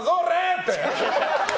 って。